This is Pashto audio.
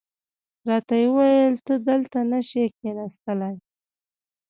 راته یې وویل ته دلته نه شې کېناستلای.